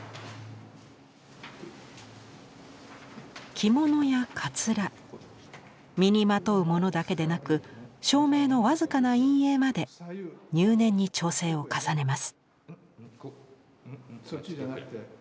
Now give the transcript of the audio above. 着物やかつら身にまとうものだけでなく照明の僅かな陰影まで入念に調整を重ねます。